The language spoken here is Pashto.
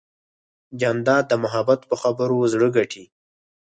جانداد د محبت په خبرو زړه ګټي.